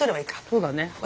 そうだね。